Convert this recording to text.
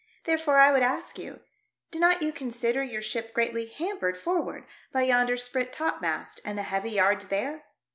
Therefore I would ask you, do not you consider your ship greatly hampered forward by yonder sprit topmast and the heavy yards there